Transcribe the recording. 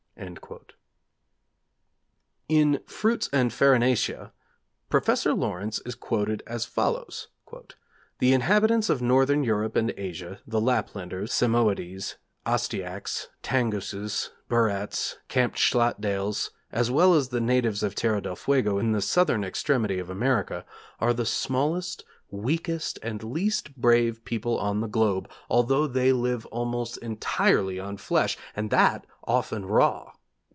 In Fruits and Farinacea, Professor Lawrence is quoted as follows: 'The inhabitants of Northern Europe and Asia, the Laplanders, Samoiedes, Ostiacs, Tangooses, Burats, Kamtschatdales, as well as the natives of Terra del Fuego in the Southern extremity of America, are the smallest, weakest, and least brave people on the globe; although they live almost entirely on flesh, and that often raw.'